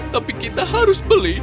tapi kita harus beli